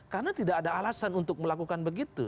karena tidak ada alasan untuk melakukan begitu